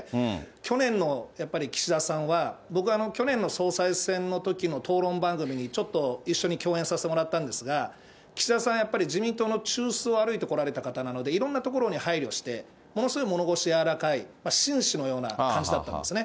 去年のやっぱり岸田さんは、僕、去年の総裁選のときの討論番組にちょっと一緒に共演させてもらったんですが、岸田さん、やっぱり自民党の中枢を歩いてこられた方なので、いろんなところに配慮して、ものすごい物腰柔らかい紳士のような感じだったんですね。